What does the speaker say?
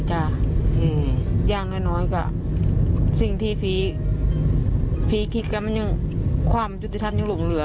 จ้ะอืมยังน้อยน้อยกะสิ่งที่ภีร์ภีร์คิดกับมันยังความจุดธรรมยังหล่งเหลือ